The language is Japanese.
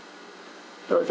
どうぞ。